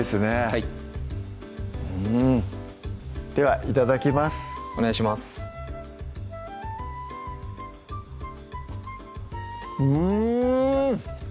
はいうんではいただきますお願いしますうん！